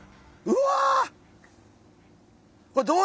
うわ！